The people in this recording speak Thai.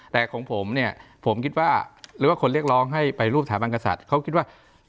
แต่ของผมเนี่ยผมคิดว่าหรือว่าคนเรียกร้องให้ไปรูปสถาบันกษัตริย์เขาคิดว่า